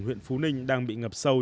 huyện phú ninh đang bị ngập sâu